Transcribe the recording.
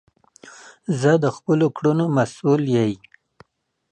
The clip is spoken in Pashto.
زه د خپلو کړونو مسول یی